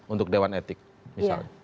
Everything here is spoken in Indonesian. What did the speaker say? untuk dewan etik misalnya